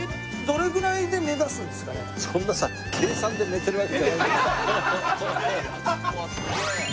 そんなさ計算で寝てるわけじゃないんだよ。